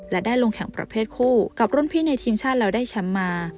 และได้ลงแข่งประเภทคู่กับรุ่นพี่ในทีมชาติแล้วได้แชมป์มา